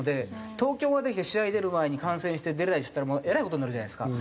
東京まで来て試合に出る前に感染して出れないっつったらえらい事になるじゃないですか。